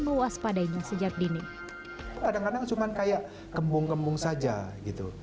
mewaspadainya sejak dini kadang kadang cuman kayak kembung kembung saja gitu